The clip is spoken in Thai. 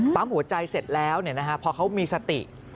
หัวใจเสร็จแล้วพอเขามีสติ